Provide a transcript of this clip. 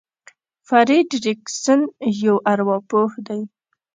فرېډ ريکسن يو ارواپوه دی.